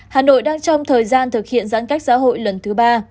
hà nội đang trong thời gian thực hiện giãn cách xã hội lần thứ ba